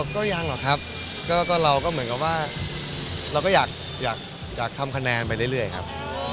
ก็ยังหรอกครับก็เราก็เหมือนกับว่าเราก็อยากทำคะแนนไปเรื่อยครับ